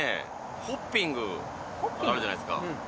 ホッピングあるじゃないですか